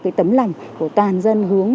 cái tấm lành của toàn dân hướng